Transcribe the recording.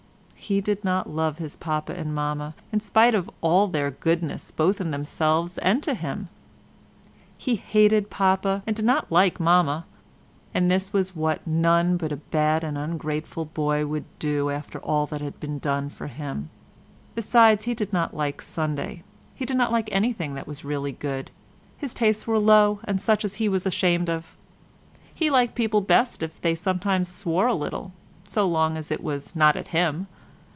He did not love his Papa and Mamma, in spite of all their goodness both in themselves and to him. He hated Papa, and did not like Mamma, and this was what none but a bad and ungrateful boy would do after all that had been done for him. Besides he did not like Sunday; he did not like anything that was really good; his tastes were low and such as he was ashamed of. He liked people best if they sometimes swore a little, so long as it was not at him.